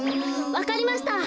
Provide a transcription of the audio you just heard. わかりました！